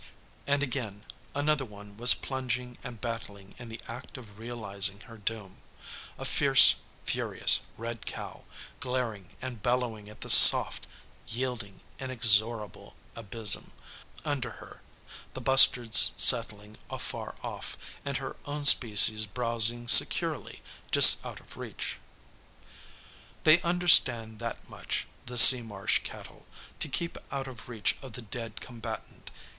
And, again, another one was plunging and battling in the act of realizing her doom: a fierce, furious, red cow, glaring and bellowing at the soft, yielding inexorable abysm under her, the bustards settling afar off, and her own species browsing securely just out of reach. They understand that much, the sea marsh cattle, to keep out of reach of the dead combatant.